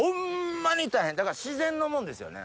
だから自然のもんですよね？